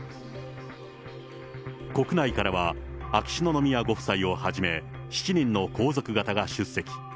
国内からは秋篠宮ご夫妻をはじめ、７人の皇族方が出席。